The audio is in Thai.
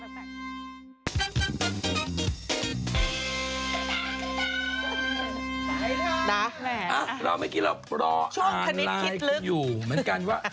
ไปละแหม่ชอบคณิตคิดลึกเราเมื่อกี้เรารออ่านไลค์อยู่เหมือนกันว่า